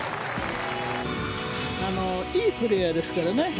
いいプレーヤーですから。